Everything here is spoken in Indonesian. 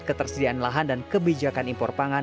ketersediaan lahan dan kebijakan impor pangan